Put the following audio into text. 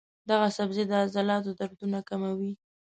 دا سبزی د عضلاتو دردونه کموي.